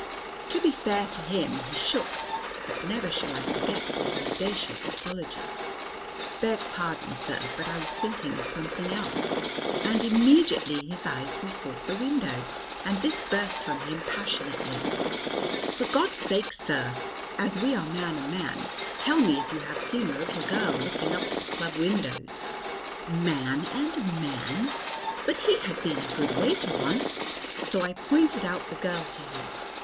To be fair to him, he shook, but never shall I forget his audacious apology, "Beg pardon, sir, but I was thinking of something else." And immediately his eyes resought the window, and this burst from him passionately, "For God's sake, sir, as we are man and man, tell me if you have seen a little girl looking up at the club windows." Man and man! But he had been a good waiter once, so I pointed out the girl to him.